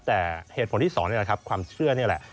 แต่เหตุผลที่สองนี่แหละครับความเชื่อนี่แหละ